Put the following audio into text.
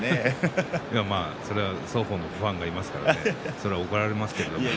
それは双方のファンがいますから怒られますから。